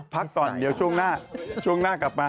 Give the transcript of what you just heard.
พักก่อนเดี๋ยวช่วงหน้ากลับมา